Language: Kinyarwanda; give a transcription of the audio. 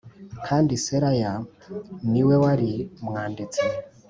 kandi Seraya ni we wari umwanditsi.